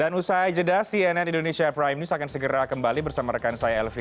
dan usai jeda cnn indonesia prime news akan segera kembali bersama rekan saya elvin